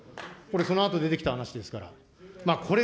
これ、そのあと出てきた話ですから。